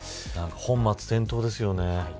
本末転倒ですよね。